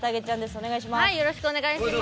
お願いします。